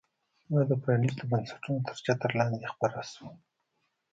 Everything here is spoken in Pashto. دا د پرانیستو بنسټونو تر چتر لاندې خپره شوه.